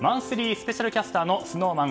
スペシャルキャスターのＳｎｏｗＭａｎ